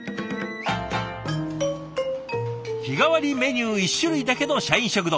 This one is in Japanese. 日替わりメニュー１種類だけの社員食堂。